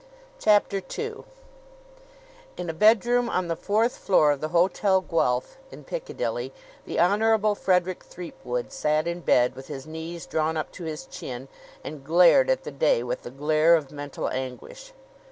CHAPTER II In a bedroom on the fourth floor of the Hotel Guelph in Piccadilly, the Honorable Frederick Threepwood sat in bed, with his knees drawn up to his chin, and glared at the day with the glare of mental anguish.